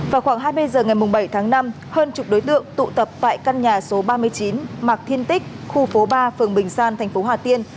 vào khoảng hai mươi h ngày bảy tháng năm hơn chục đối tượng tụ tập tại căn nhà số ba mươi chín mạc thiên tích khu phố ba phường bình san thành phố hà tiên